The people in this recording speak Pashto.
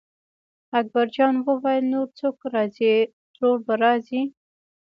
اکبرجان وویل نور څوک راځي ترور به راځي.